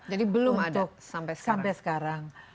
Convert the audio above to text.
jadi belum ada sampai sekarang